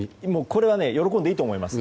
これは喜んでいいと思います。